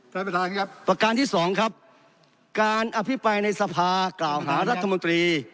ประการที่สองครับการอภิปัยในสภากล่าวหารัฐมนตรี